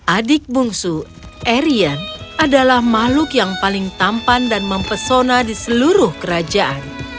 adik bungsu erian adalah makhluk yang paling tampan dan mempesona di seluruh kerajaan